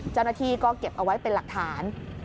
เจ้าหน้าที่ก็เก็บเอาไว้เป็นหลักฐาน